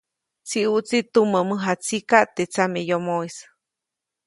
Tsiʼuʼtsi tumä mäjatsika teʼ tsameyomoʼis.